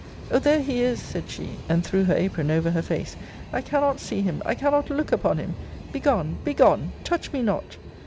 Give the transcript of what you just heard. O there he is! said she, and threw her apron over her face I cannot see him! I cannot look upon him! Begone, begone! touch me not!